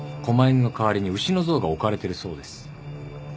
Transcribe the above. こま犬の代わりに牛の像が置かれてるそうです。